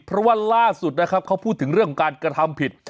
เพราะว่าล่าสุดนะครับเขาพูดถึงเรื่องการกระทำผิด